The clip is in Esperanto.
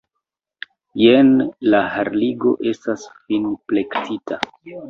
Jen, la harligo estas finplektita!